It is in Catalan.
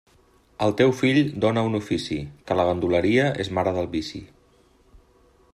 Al teu fill dóna un ofici, que la ganduleria és mare del vici.